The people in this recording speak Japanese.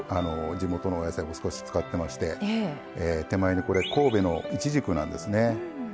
地元のお野菜を少し使ってまして手前にこれ神戸のいちじくなんですね。